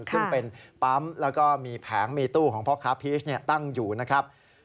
ซึ่งเป็นปั๊มแล้วก็มีแผงมีตู้ของพ่อค้าพีชตั้งอยู่นะครับ